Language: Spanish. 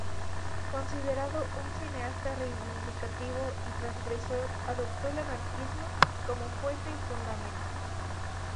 Considerado un cineasta reivindicativo y transgresor, adoptó el anarquismo como fuente y fundamento.